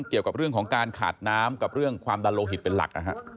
เกี่ยวกับเรื่องของการขาดน้ำกับเรื่องความดันโลหิตเป็นหลัก